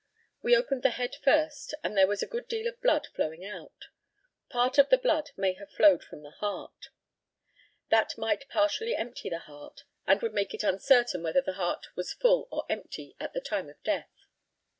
We opened the head first, and there was a good deal of blood flowing out. Part of the blood may have flowed from the heart. That might partially empty the heart, and would make it uncertain whether the heart was full or empty at the time of death.